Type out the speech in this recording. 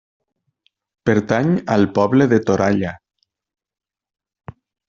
Pertany al poble de Toralla.